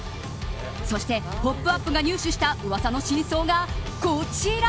そして、「ポップＵＰ！」が入手した噂の真相がこちら。